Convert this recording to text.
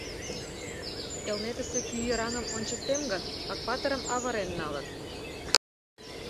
Элнетысе кӱ йыраҥым ончыктем гын, Акпатырым авырен налыт.